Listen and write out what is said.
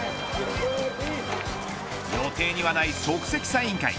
予定にはない即席サイン会。